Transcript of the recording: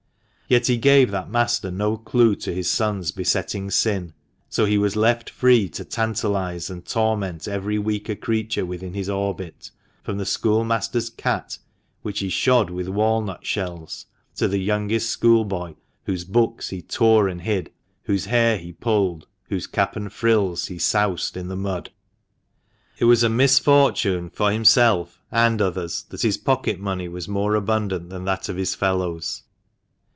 Yet he gave that master no clue to his son's besetting sin ; so he was left free to tantalise and torment every weaker creature within his orbit, from the schoolmaster's cat, which he shod with walnut shells, to the youngest school boy, whose books he tore and hid, whose hair he pulled, whose cap and frills he soused in the mud. It was a misfortune for himself and others that his pocket money was more abundant than that of his fellows.